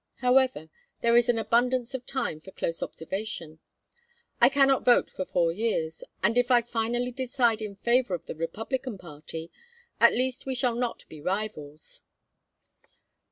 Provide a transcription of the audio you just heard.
However, there is an abundance of time for close observation. I cannot vote for four years, and if I finally decide in favor of the Republican party, at least we shall not be rivals."